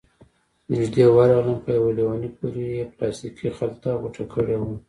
نږدې ورغلم، په يوه ليوني پورې يې پلاستيکي خلطه غوټه کړې وه،